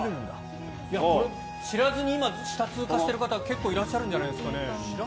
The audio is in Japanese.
知らずに今、下を通過してる方はいらっしゃるんじゃないですかね。